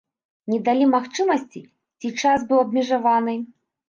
Не далі магчымасці ці час быў абмежаваны?